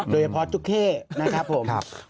โดยเฉพาะจุ๊กเข้นะครับผม